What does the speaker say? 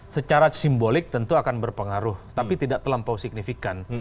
secara simbolik tentu akan berpengaruh tapi tidak terlampau signifikan